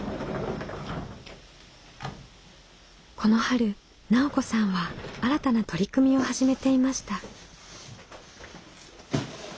この春奈緒子さんは新たな取り組みを始めていました。